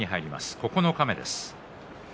九日目です。